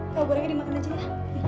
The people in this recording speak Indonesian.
kau gorengnya dimakan aja ya